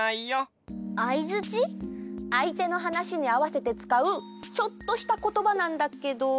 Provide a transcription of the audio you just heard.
相手の話にあわせてつかうちょっとしたことばなんだけど。